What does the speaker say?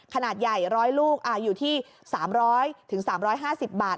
ขนาดใหญ่๑๐๐ลูกอยู่ที่๓๐๐๓๕๐บาท